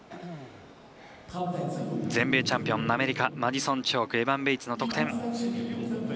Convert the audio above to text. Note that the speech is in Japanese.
全米チャンピオンアメリカ、マディソン・チョークエバン・ベイツの得点。